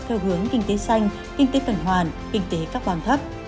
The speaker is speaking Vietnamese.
theo hướng kinh tế xanh kinh tế tẩn hoàn kinh tế các bàn thấp